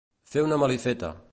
Fer una malifeta.